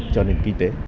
cho nền kinh tế